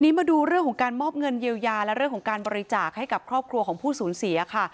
มาดูเรื่องของการมอบเงินเยียวยาและเรื่องของการบริจาคให้กับครอบครัวของผู้สูญเสียค่ะ